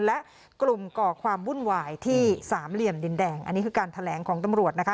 และกลุ่มก่อความวุ่นวายที่สามเหลี่ยมดินแดงอันนี้คือการแถลงของตำรวจนะคะ